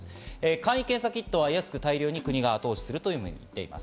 簡易検査キットは安く大量に国が後押しすると言っています。